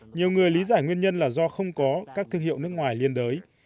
nhiều người lý giải nguyên nhân là do không có các thương hiệu nước ngoài liên đới